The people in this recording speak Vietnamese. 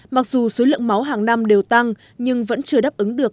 mặc dù số lượng máu hàng năm đều tăng nhưng vẫn chưa đáp ứng được